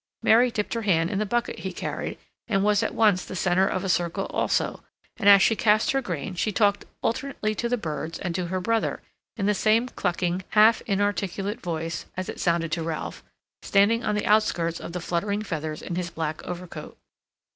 Mary dipped her hand in the bucket he carried, and was at once the center of a circle also; and as she cast her grain she talked alternately to the birds and to her brother, in the same clucking, half inarticulate voice, as it sounded to Ralph, standing on the outskirts of the fluttering feathers in his black overcoat.